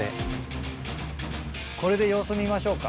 これで様子見ましょうか。